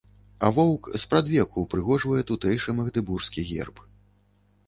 А воўк спрадвеку ўпрыгожвае тутэйшы магдэбургскі герб.